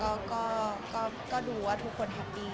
แล้วก็ก็ดูว่าทุกคนแฮปปี้